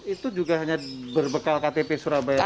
itu juga hanya berbekal ktp surabaya